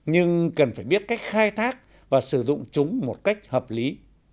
nhưng cần phải biết cách khai thác và sử dụng chúng một cách hợp lý